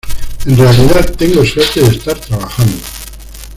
En realidad, tengo suerte de estar trabajando".